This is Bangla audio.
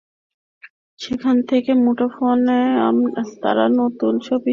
সেখান থেকে মুঠোফোনে তাঁর নতুন ছবিসহ আরও বেশ কিছু খবরও দিলেন।